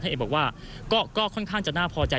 เอกบอกว่าก็ค่อนข้างจะน่าพอใจ